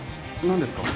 何ですか？